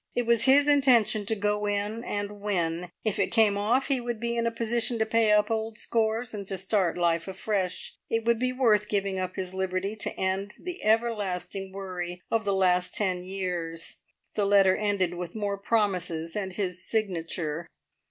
It was his intention to go in and win. If it came off he would be in a position to pay up old scores and to start life afresh. It would be worth giving up his liberty, to end the everlasting worry of the last ten years. The letter ended with more promises and his signature.